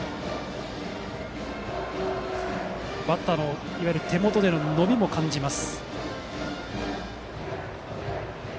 バッターのいわゆる手元での伸びも感じます。